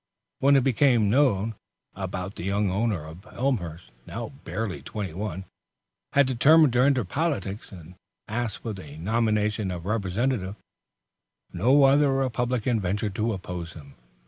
When it became noised about that the young owner of Elmhurst, now barely twenty one, had determined to enter politics, and asked for the nomination of Representative, no other Republican ventured to oppose him.